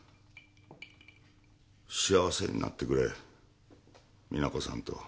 幸せになってくれ実那子さんと。